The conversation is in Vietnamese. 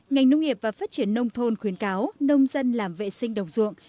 ngành nông nghiệp và phát triển nông thôn khuyến cáo nông dân làm vệ sinh đồng ruộng